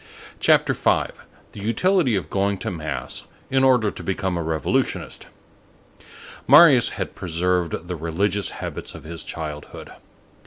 CHAPTER V—THE UTILITY OF GOING TO MASS, IN ORDER TO BECOME A REVOLUTIONIST Marius had preserved the religious habits of his childhood.